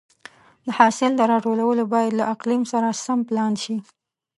د حاصل راټولول باید له اقلیم سره سم پلان شي.